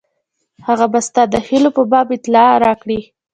هغه به ستا د هیلو په باب اطلاع راکړي.